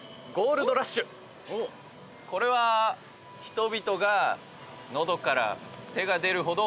これは人々が喉から手が出るほど欲しくなる鉱石。